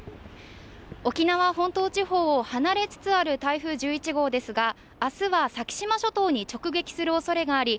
沖縄本島地方を離れつつある台風１１号ですが明日は先島諸島に直撃するおそれがあり